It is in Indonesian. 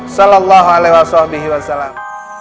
salallahu alaihi wassalam